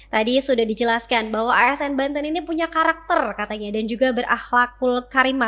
tadi sudah dijelaskan bahwa asn banten ini punya karakter katanya dan juga berahlakul karima